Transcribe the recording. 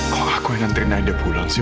kok aku yang nantikan aida pulang sih